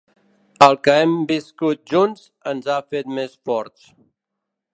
El que hem viscut junts ens ha fet més forts.